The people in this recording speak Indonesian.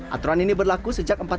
aturan ini berlaku di wisma pademangan